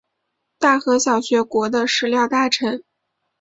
大和小学国的食料大臣。